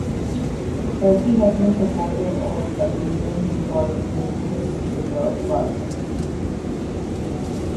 Turkey has been supportive of Albanian geopolitical interests within the Balkans.